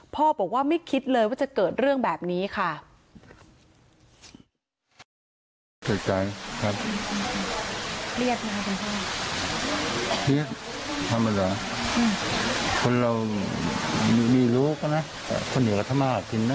พ่อบอกว่าไม่คิดเลยว่าจะเกิดเรื่องแบบนี้ค่ะ